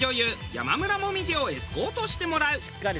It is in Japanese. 山村紅葉をエスコートしてもらう。